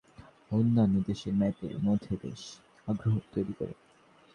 Maps অ্যাপের tracking পদ্ধতিটি অন্যান্য দেশের ম্যাপারদের মধ্যে বেশ আগ্রহ তৈরি করে।